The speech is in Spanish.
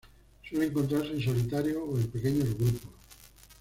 Suele encontrarse en solitario o en pequeños grupos.